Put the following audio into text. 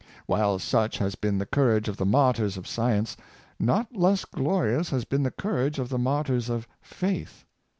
Wiiile such has been the courage of the martyrs of science, not less glorious has been the courage of the inartyrs of faith.